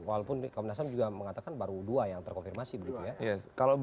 walaupun komnas ham juga mengatakan baru dua yang terkonfirmasi begitu ya